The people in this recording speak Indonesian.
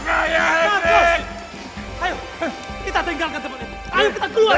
ayo kita keluar